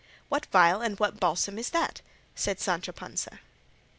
"What vial and what balsam is that?" said Sancho Panza.